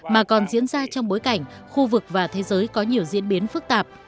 mà còn diễn ra trong bối cảnh khu vực và thế giới có nhiều diễn biến phức tạp